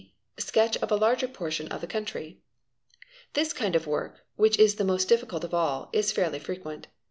Sketch of a larger portion of country. This kind of work, which is the most difficult of all, is fairly frequent.